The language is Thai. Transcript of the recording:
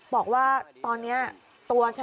บอกว่าตอนนี้ตัวฉัน